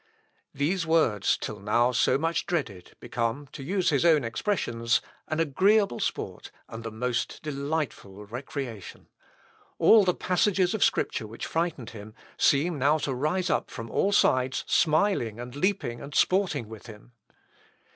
These words, till now so much dreaded, become, to use his own expressions, "an agreeable sport, and the most delightful recreation. All the passages of Scripture which frightened him seem now to rise up from all sides, smiling, and leaping, and sporting with him."